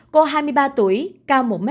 cô hai mươi ba tuổi cao một m bảy mươi sáu